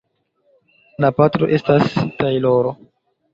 La patro estas tajloro.